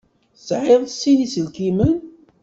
Tesεiḍ sin iselkimen?